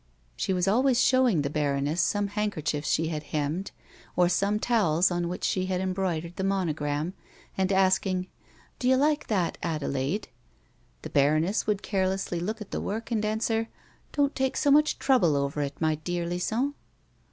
49 She was always showing the baroness some handkerchiefs she had hemmed, or some towels on which she had embroidered the monogram, and asking ;" Do you like that, Adelaide ]" The baroness would carelessly look at the work and answer :" Don't take so much trouble over it, my dear Lison."